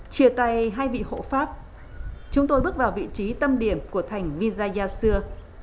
chia tay hai vị hộ pháp chúng tôi bước vào vị trí tâm điểm của thành vizayasura